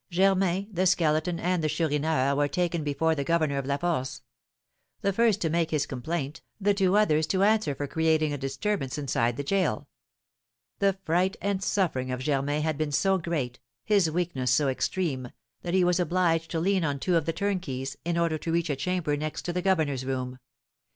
Germain, the Skeleton, and the Chourineur were taken before the governor of La Force; the first to make his complaint, the two others to answer for creating a disturbance inside the gaol. The fright and suffering of Germain had been so great, his weakness so extreme, that he was obliged to lean on two of the turnkeys, in order to reach a chamber next to the governor's room.